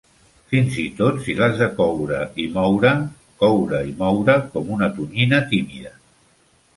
Fins i tot si l'has de coure i moure, coure i moure com una tonyina tímida.